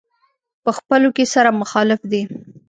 په خپلو کې سره مخالف دي.